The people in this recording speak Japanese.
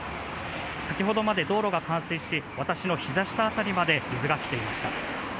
先ほどまで道路が冠水し私のひざ下辺りまで水が来ていました。